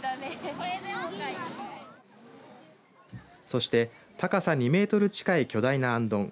そして高さ２メートル近い巨大なあんどん。